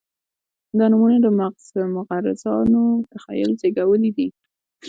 دا نومونه د مغرضانو تخیل زېږولي دي.